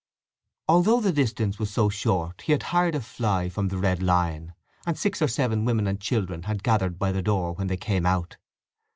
Although the distance was so short he had hired a fly from the Red Lion, and six or seven women and children had gathered by the door when they came out.